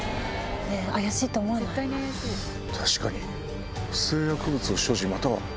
確かに。